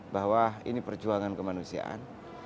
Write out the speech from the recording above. bahwa ini perjuangan kemanusiaan